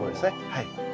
はい。